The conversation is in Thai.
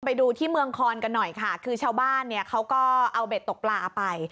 ไปดูที่เมืองคอนกันหน่อยค่ะคือชาวบ้านเนี่ยเขาก็เอาเบ็ดตกปลาไป